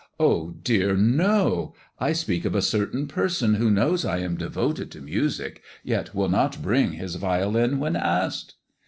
Oh dear, no ! I speak of a certain person who knows I am devoted to music, yet will not bring his violin when asked."